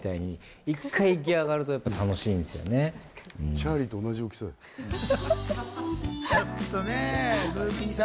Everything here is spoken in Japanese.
チャーリーと同じ大きさだ。